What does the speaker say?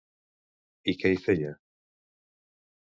I què hi feia?